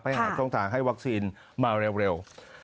ไปหาต้องการให้วัคซีนมาเร็ว